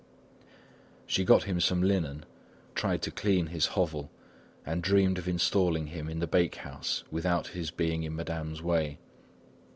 She got him some linen, tried to clean his hovel and dreamed of installing him in the bake house without his being in Madame's way.